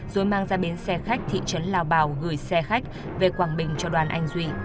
rồi mang ra bến xe khách thị trấn lao bảo gửi xe khách về quảng bình cho đoàn anh duy